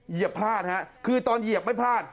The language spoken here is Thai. พลาดฮะคือตอนเหยียบไม่พลาด